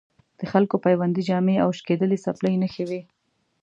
د خلکو بیوندي جامې او شلېدلې څپلۍ نښې وې.